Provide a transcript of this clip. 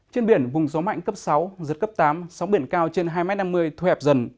trên biển vùng gió mạnh cấp sáu giật cấp tám sóng biển cao trên hai m năm mươi thu hẹp dần